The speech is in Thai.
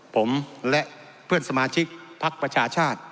ผมและเพื่อนสมาชิกภักดิ์ประชาชาติ